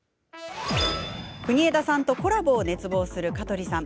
国枝さんとコラボを熱望する香取さん。